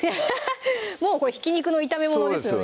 もうこれひき肉の炒め物ですよね